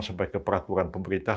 sampai ke peraturan pemerintah